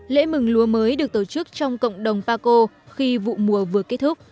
lễ mừng lúa mới được tổ chức trong cộng đồng paco khi vụ mùa vừa kết thúc